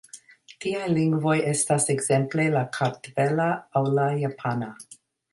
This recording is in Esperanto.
Tiaj lingvoj estas ekzemple la kartvela aŭ la japana.